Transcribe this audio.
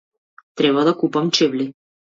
Треба да купам чевли.